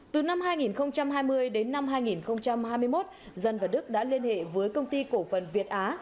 từ năm hai nghìn hai mươi đến năm hai nghìn hai mươi một dân và đức đã liên hệ với công ty cổ phần việt á